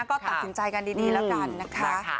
ก็ตัดสินใจกันดีแล้วกันนะคะ